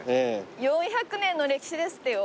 ４００年の歴史ですってよ